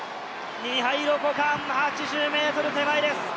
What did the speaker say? ミハイロ・コカーン、８０ｍ手前です。